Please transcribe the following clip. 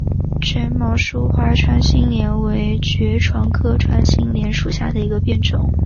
腺毛疏花穿心莲为爵床科穿心莲属下的一个变种。